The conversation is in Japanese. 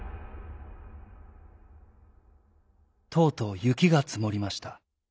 とうとうゆきがつもりました。